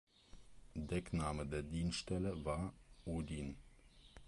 Deckname der Dienststelle war "Odin".